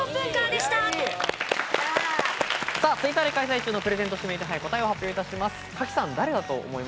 Ｔｗｉｔｔｅｒで開催中のプレゼント指名手配、答えを発表いたします。